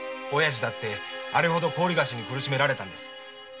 親父だってあれほど高利貸しに苦しめられたんです。